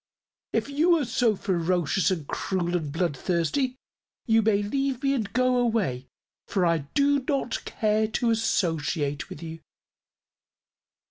If you are so ferocious and cruel and bloodthirsty, you may leave me and go away, for I do not care to associate with you."